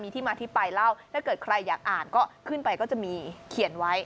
ที่มาที่ไปเล่าถ้าเกิดใครอยากอ่านก็ขึ้นไปก็จะมีเขียนไว้